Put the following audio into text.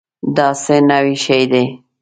دا څه نوي شی دی؟